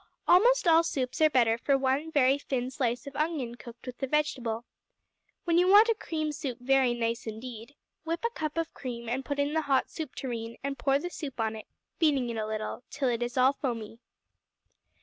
Almost all soups are better for one very thin slice of onion cooked with the vegetable. When you want a cream soup very nice indeed, whip a cup of cream and put in the hot soup tureen, and pour the soup in on it, beating it a little, till it is all foamy.